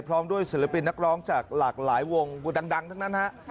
พร้อมด้วยศิลปินนักร้องจากหลากหลายวงดังทั้งนั้นฮะ